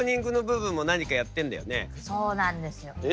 そうなんですよ。え？